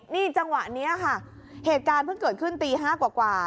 นี่จังหวะนี้ค่ะเหตุการณ์เพิ่งเกิดขึ้นตี๕กว่า